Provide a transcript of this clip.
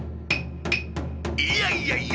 いやいやいや！